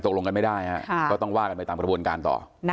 ค่ะโอ้โหต้องว่ากันไปตามกระบวนการต่อ